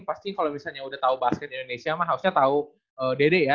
pasti kalau misalnya udah tahu basket indonesia mah harusnya tahu dede ya